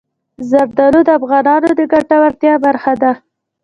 زردالو د افغانانو د ګټورتیا برخه ده.